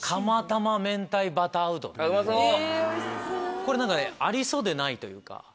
これ何かねありそうでないというか。